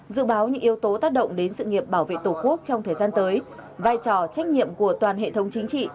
dự báo những yếu tố tác động đến sự nghiệp bảo vệ tổ quốc trong thời gian tới vai trò trách nhiệm của toàn hệ thống chính trị